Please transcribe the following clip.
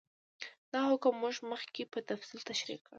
دا حکم موږ مخکې په تفصیل تشرېح کړ.